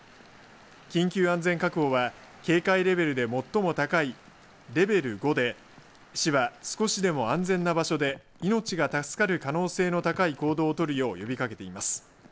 緊急安全確保は、警戒レベルで最も高いレベル５で市は少しでも安全な場所で命が助かる可能性の高い行動を取るよう呼びかけています。